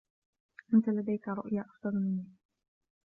أنتَ لديكَ رؤية أفضل منى؟